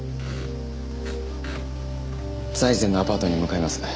財前のアパートに向かいます。